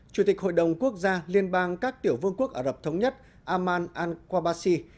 chủ tịch hội đồng quốc gia liên bang các tiểu vương quốc ả rập thống nhất aman al qabasi